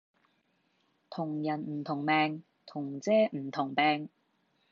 同人唔同命同遮唔同柄